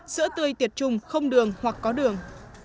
sữa tươi tiệt trung không đường hoặc có đường